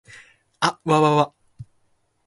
あっわわわ